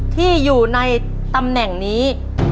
ที่อยู่ในตำแหน่งนี้